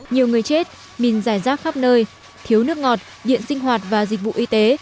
nhiều người chết mịn giải rác khắp nơi thiếu nước ngọt điện sinh hoạt và dịch vụ y tế